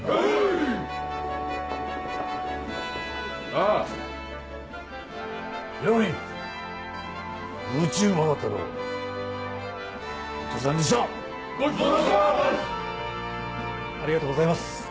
ありがとうございます